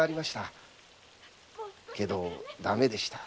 けど駄目でした。